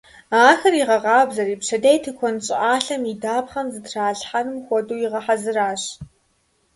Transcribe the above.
Ахэр игъэкъабзэри, пщэдей тыкуэн щӀыӀалъэм и дапхъэм зэрытралъхьэнум хуэдэу игъэхьэзыращ.